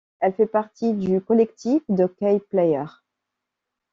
Elle fait partie du collectif d'Okayplayer.